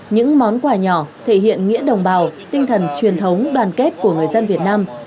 những món quà nhỏ thể hiện nghĩa đồng bào tinh thần truyền thống đoàn kết của người dân việt nam